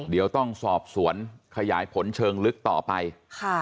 เดี๋ยวต้องสอบสวนขยายผลเชิงลึกต่อไปค่ะ